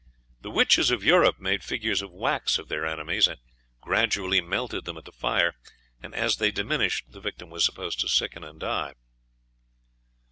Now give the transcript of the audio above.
The witches of Europe made figures of wax of their enemies, and gradually melted them at the fire, and as they diminished the victim was supposed to sicken and die.